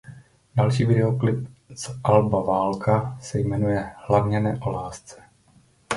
Další videoklip z alba „Válka“ se jmenuje Hlavně ne o lásce.